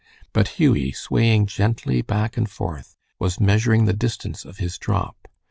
But Hughie, swaying gently back and forth, was measuring the distance of his drop.